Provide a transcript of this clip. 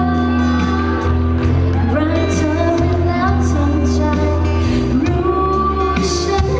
รักรักเธอไปแล้วทำใจ